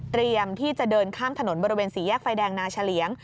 ที่จะเดินข้ามถนนบริเวณสี่แยกไฟแดงนาเฉลียง